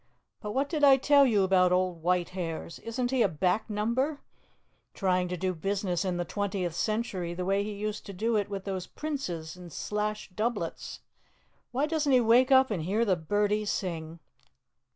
But what did I tell you about old White Hairs? Isn't he a back number? Trying to do business in the twentieth century the way he used to do it with those princes in slashed doublets! Why doesn't he wake up and hear the birdies sing?"